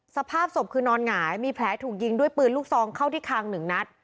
สภาพศพคือนอนหงายมีแผลถูกยิงด้วยปืนลูกซองเข้าที่คางหนึ่งนัด